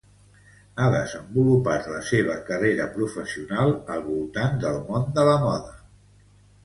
Ha desenvolupat la seua carrera professional al voltant del món de la moda.